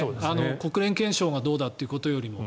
国連憲章がどうだということよりも。